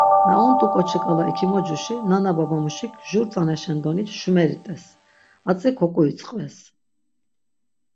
Na unt̆u k̆oçi k̆ala ikimocuşi nana babamuşik jur tzanaşen doni şumeri t̆es. Atzi kok̆uitzqves.